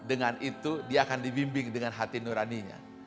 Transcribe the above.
dengan itu dia akan dibimbing dengan hati nuraninya